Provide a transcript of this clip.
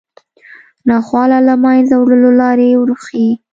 ناخوالو له منځه وړلو لارې وروښيي